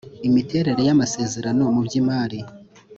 imiterere y amasezerano mu by imari